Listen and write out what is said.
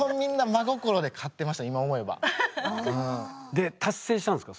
で達成したんですか？